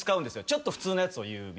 ちょっと普通のやつを言う。